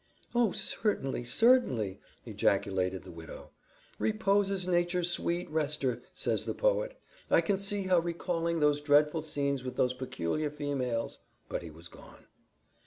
"Oh, certainly, certainly!" ejaculated the widow. "Repose is nature's sweet rester, says the poet. I can see how recalling those dreadful scenes with those peculiar females " But he was gone.